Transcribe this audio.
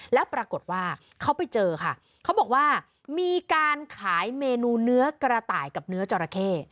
แล้วปรากฏว่าเขาไปเจอค่ะเขาบอกว่ามีการขายเมนูเนื้อกระต่ายกับเนื้อจราเข้